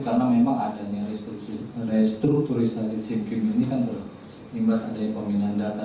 karena memang adanya restrukturisasi simkim ini kan berimbasan dari kombinan data